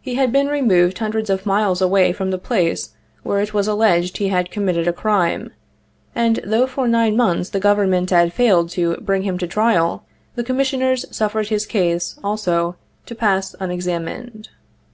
He had been remov ed hundreds of miles away from the place where it was al leged he had committed a crime, and though for nine months the Government had failed to bring him to trial, the Commissioners suffered his case, also, to pass unexam ined.